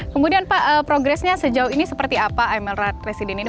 kemudian pak progresnya sejauh ini seperti apa emirat resident ini